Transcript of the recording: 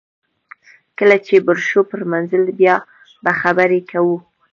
کله چې بر شو پر منزل بیا به خبرې کوو